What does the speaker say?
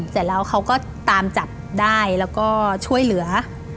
เสร็จแล้วเขาก็ตามจับได้แล้วก็ช่วยเหลือ